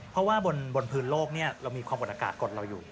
เพราะว่าบนพื้นโลกเรามีความกดอากาศกดเราอยู่